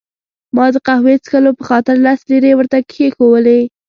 ما د قهوې څښلو په خاطر لس لیرې ورته کښېښوولې.